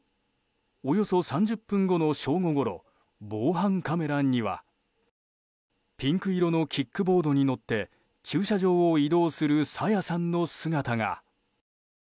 およそ３０分後の正午ごろ防犯カメラにはピンク色のキックボードに乗って駐車場を移動する朝芽さんの姿が。